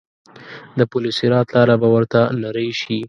د پل صراط لاره به ورته نرۍ شي.